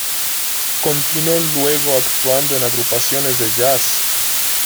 Continuó luego actuando en agrupaciones de Jazz.